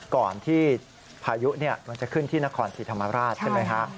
ก่อนที่พายุมันจะขึ้นที่นครศรีธรรมราชใช่ไหมฮะ